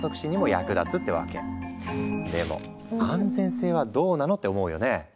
でも「安全性はどうなの？」って思うよね？